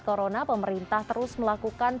corona pemerintah terus melakukan